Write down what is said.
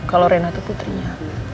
kalau reina itu putrinya